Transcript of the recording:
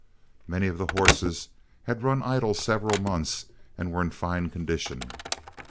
Many of the horses had run idle several months and were in fine condition.